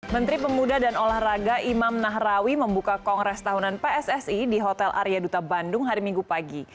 menteri pemuda dan olahraga imam nahrawi membuka kongres tahunan pssi di hotel arya duta bandung hari minggu pagi